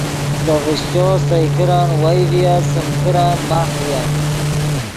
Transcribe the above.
دے ڤشچو سئے کرن وئے ڤییت سیم کرن ماخ ڤییم